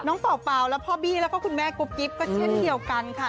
เป่าและพ่อบี้แล้วก็คุณแม่กุ๊บกิ๊บก็เช่นเดียวกันค่ะ